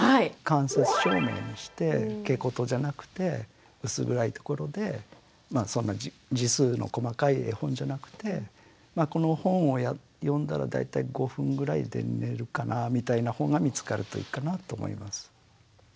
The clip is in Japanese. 間接照明にして蛍光灯じゃなくて薄暗いところでそんな字数の細かい絵本じゃなくてこの本を読んだら大体５分ぐらいで寝るかなみたいな本が見つかるといいかなと思います。